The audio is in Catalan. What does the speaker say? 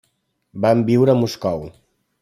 Van viure a Moscou.